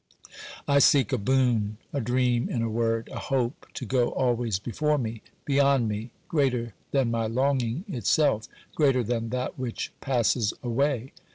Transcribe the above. I seek a boon, a dream, in a word, a hope to go always before me, beyond me, greater than my longing itself, greater than that which passes away.